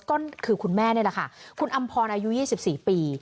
ก็คือคุณแม่นี่แหละค่ะคุณอำพรอายุ๒๔ปี